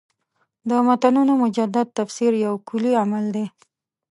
د متنونو مجدد تفسیر یو کُلي عمل دی.